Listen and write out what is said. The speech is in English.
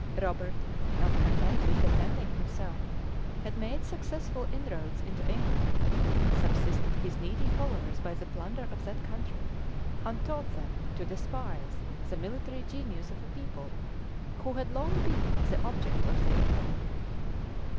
Robert, not content with defending himself, had made successful inroads into England, subsisted his needy followers by the plunder of that country, and taught them to despise the military genius of a people who had long been the object of their terror.